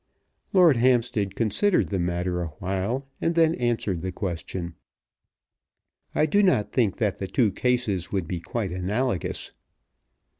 Lord Hampstead considered the matter a while, and then answered the question. "I do not think that the two cases would be quite analogous."